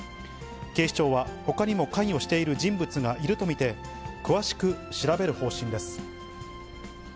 警視庁は、ほかにも関与している人物がいると見て、詳しく調べる方針です。